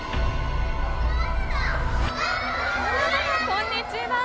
こんにちは。